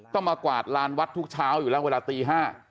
ต้องมากวาดร้านวัดทุกเช้าอยู่แล้วเวลาตีห้า